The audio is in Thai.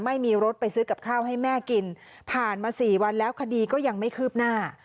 ไม่มีรถไปซื้อกับข้าวให้แม่กินผ่านมาสี่วันแล้วคดีก็ยังไม่คืบหน้า